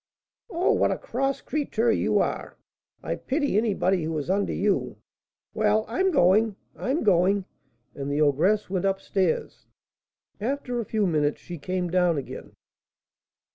"Oh, what a cross creetur you are! I pity anybody who is under you. Well, I'm going, I'm going;" and the ogress went up stairs. After a few minutes she came down again.